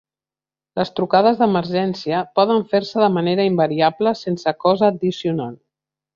Les trucades d"emergència poden fer-se de manera invariable sense cost addicional.